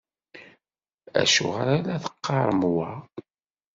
Acuɣer i la teqqarem wa?